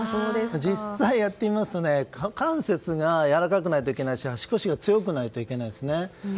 実際やってみますと股関節がやわらかくないといけないし足腰が強くないといけないんですよね。